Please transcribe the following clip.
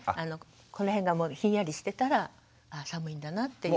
この辺がひんやりしてたらあ寒いんだなっていう。